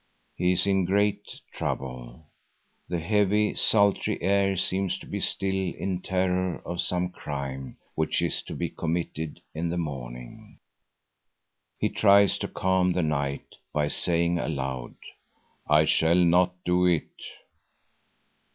He is in great trouble; the heavy, sultry air seems to be still in terror of some crime which is to be committed in the morning. He tries to calm the night by saying aloud: "I shall not do it."